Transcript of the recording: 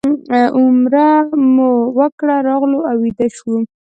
عمره مو وکړه راغلو او ویده شوو.